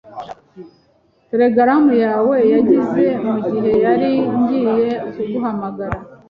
Telegaramu yawe yageze mugihe nari ngiye kuguhamagara.